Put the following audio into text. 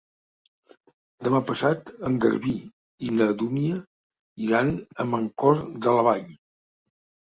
Demà passat en Garbí i na Dúnia iran a Mancor de la Vall.